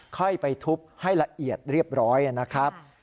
ค่อยไปทุบให้ละเอียดเรียบร้อยนะครับ